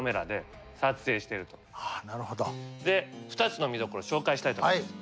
２つの見どころ紹介したいと思います。